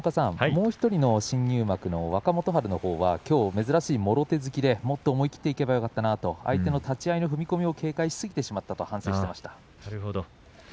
もう１人の新入幕の若元春はきょう、もろ手突きでもっと思い切っていけばよかったなと相手の立ち合いの踏み込みを警戒しすぎてしまったなと反省していました。